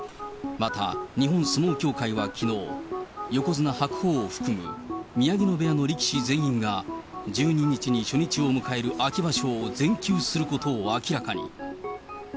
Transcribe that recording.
また日本相撲協会はきのう、横綱・白鵬を含む宮城野部屋の力士全員が、１２日に初日を迎える秋場所を全休することを明らかに。